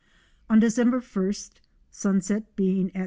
On December ist, sunset being at 3.